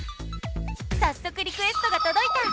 さっそくリクエストがとどいた！